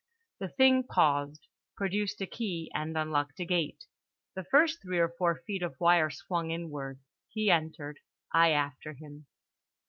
The thing paused, produced a key and unlocked a gate. The first three or four feet of wire swung inward. He entered. I after him.